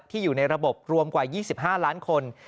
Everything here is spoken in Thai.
อยู่ในระบบรวมกว่า๒๕ล้านคน